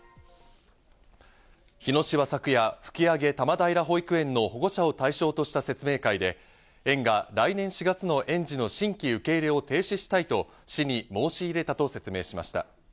日野市は昨夜、吹上多摩平保育園の保護者を対象とした説明会で、園が来年４月の園児の新規受け入れを停止したいと市に申し入れたと説明しました。